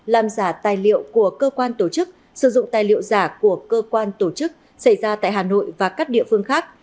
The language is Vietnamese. làm giả tài liệu của cơ quan tổ chức sử dụng tài liệu giả của cơ quan tổ chức xảy ra tại hà nội và các địa phương khác